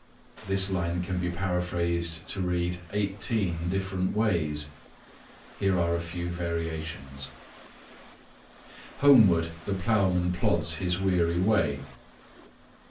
This line can be paraphrased to read 18 different ways. Here are a few variations: Homeward the ploughman plods his weary way.